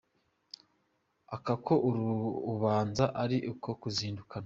Aka ko ubanza ari ako kuzindukana.